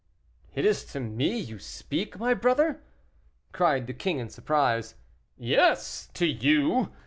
"Is it to me you speak, my brother?" cried the king, in surprise. "Yes, to you.